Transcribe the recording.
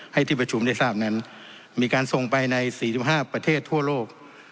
ที่ประชุมได้ทราบนั้นมีการส่งไปใน๔๕ประเทศทั่วโลก